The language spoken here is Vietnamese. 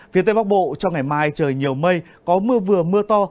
phía tây bắc bộ trong ngày mai trời nhiều mây có mưa vừa mưa to